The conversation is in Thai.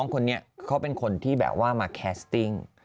คนนี้เขาเป็นคนที่แบบว่ามาแคสติ้ง